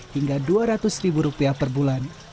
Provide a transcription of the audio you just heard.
hingga dua ratus ribu rupiah per bulan